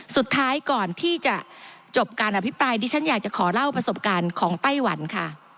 ก่อนที่จะจบการอภิปรายดิฉันอยากจะขอเล่าประสบการณ์ของไต้หวันค่ะ